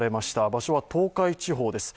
場所は東海地方です。